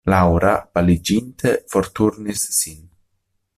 Laŭra, paliĝinte, forturnis sin.